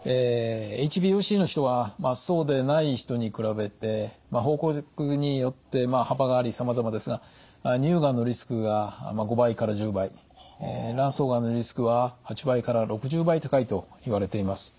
ＨＢＯＣの人はそうでない人に比べて報告によって幅がありさまざまですが乳がんのリスクが５倍から１０倍卵巣がんのリスクは８倍から６０倍高いといわれています。